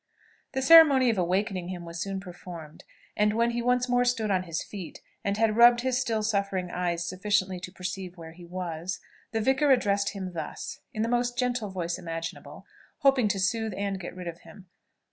The ceremony of awaking him was soon performed; and when he once more stood on his feet, and had rubbed his still suffering eyes sufficiently to perceive where he was, the vicar addressed him thus, in the most gentle voice imaginable, hoping to soothe and get rid of him.